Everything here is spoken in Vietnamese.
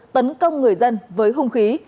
tấn công người dân với hung khí